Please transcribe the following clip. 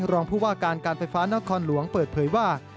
รองผู้ว่าการการไฟฟ้านครหลวงเปิดเผยว่า